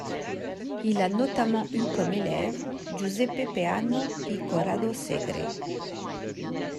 Il a notamment eu comme élèves Giuseppe Peano et Corrado Segre.